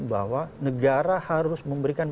bahwa negara harus memberikan